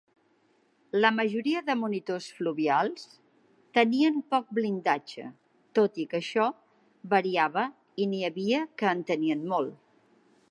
La majoria de monitors fluvials tenien poc blindatge, tot i que això variava i n'hi havia que en tenien molt.